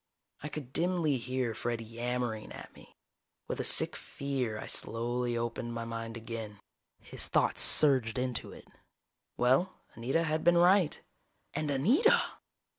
_ I could dimly hear Fred yammering at me. With a sick fear I slowly opened my mind again. His thoughts surged into it. Well, Anita had been right. And Anita!